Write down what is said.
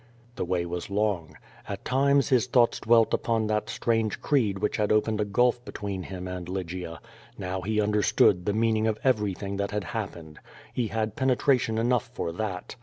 The way was long. At times his thoughts dwelt upon that QUO VADIS. 167 strange creed which had opened a gulf between him and Lygia. Now he understood the meaning of everything that had happened. He had penetration enough for that.